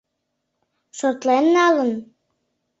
— Шотлен налын?